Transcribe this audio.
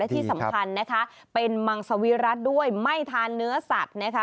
ที่สำคัญนะคะเป็นมังสวิรัติด้วยไม่ทานเนื้อสัตว์นะคะ